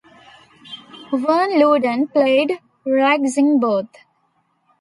Vern Louden played Rags in both.